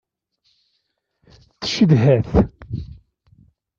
Tcedha-t.